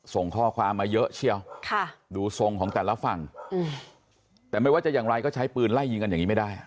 ส่งข้อความมาเยอะเชียวดูทรงของแต่ละฝั่งแต่ไม่ว่าจะอย่างไรก็ใช้ปืนไล่ยิงกันอย่างนี้ไม่ได้